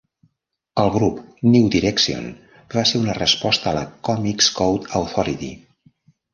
El grup "New Direction" va ser una resposta a la Comics Code Authority.